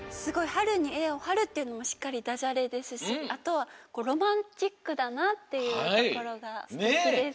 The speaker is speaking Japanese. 「はるにえをはる」ってのもしっかりダジャレですしあとはロマンチックだなっていうところがすてきです。